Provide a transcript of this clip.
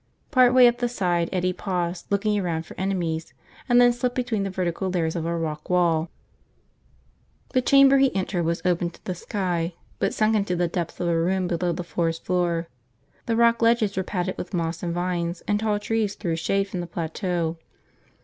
Part way up the side Eddie paused, looked around for enemies, and then slipped between the vertical layers of a rock wall. The chamber he entered was open to the sky but sunken to the depth of a room below the forest floor. The rock ledges were padded with moss and vines, and tall trees threw shade from the plateau.